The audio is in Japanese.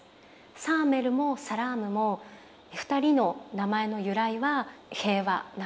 サーメルもサラームも２人の名前の由来は平和なんです。